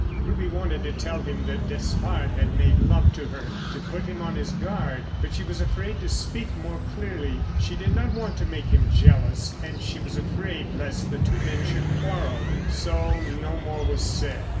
Ruby wanted to tell him that Despard had made love to her, to put him on his guard, but she was afraid to speak more clearly. She did not want to make him jealous, and she was afraid lest the two men should quarrel. So no more was said.